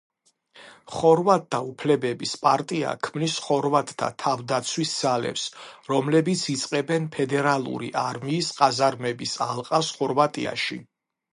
ხორვატთა უფლებების პარტია ქმნის ხორვატთა თავდაცვის ძალებს, რომლებიც იწყებენ ფედერალური არმიის ყაზარმების ალყას ხორვატიაში.